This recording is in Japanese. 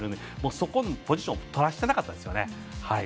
そこのポジションを取らせていませんでしたね。